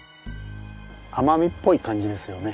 奄美っぽい感じですよね。